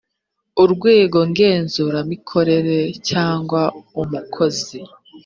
urwego ngenzuramikorere cyangwa umukozi